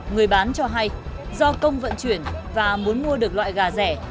người bán cho hay do công vận chuyển và muốn mua được loại gà rẻ